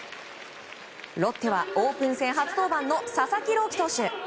ロッテはオープン戦初登板の佐々木朗希投手。